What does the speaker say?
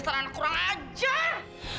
jastanak kurang ajar